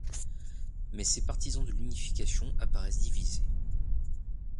Mais ces partisans de l'unification apparaissent divisés.